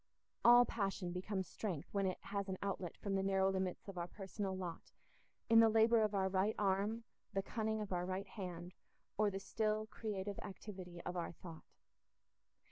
All passion becomes strength when it has an outlet from the narrow limits of our personal lot in the labour of our right arm, the cunning of our right hand, or the still, creative activity of our thought.